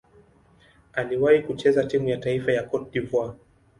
Aliwahi kucheza timu ya taifa ya Cote d'Ivoire.